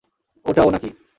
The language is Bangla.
ওটা ও নাকি?